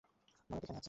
নরক ওখানে রয়েছে।